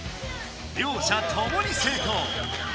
両者ともに成功。